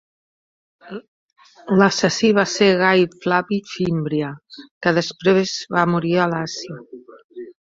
L’assassí va ser Gai Flavi Fímbria, que després va morir a l'Àsia.